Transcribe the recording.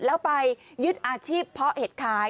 แล้วไปยึดอาชีพเพาะเห็ดขาย